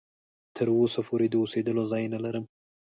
تر اوسه پوري د اوسېدلو ځای نه لرم.